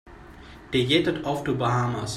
They jetted off to the Bahamas.